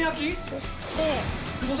そして？